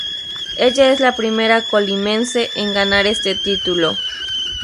Ella es la primera Colimense en ganar este título.